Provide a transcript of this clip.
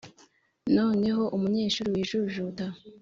noneho umunyeshuri wijujuta